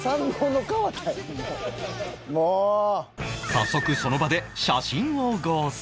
早速その場で写真を合成